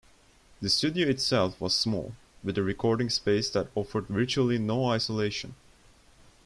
The studio itself was small, with a recording space that offered virtually no isolation.